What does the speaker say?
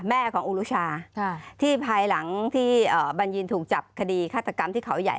แม่ของอุรุชาที่ภายหลังที่บัญญีนถูกจับคดีฆาตกรรมที่เขาใหญ่